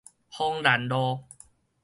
芳蘭路